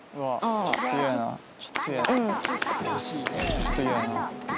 ちょっと嫌やな。